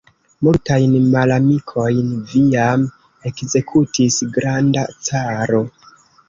Multajn malamikojn vi jam ekzekutis, granda caro.